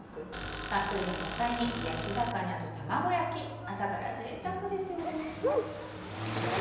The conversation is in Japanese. たっぷりの野菜に焼き魚と玉子焼き、朝からぜいたくですよね。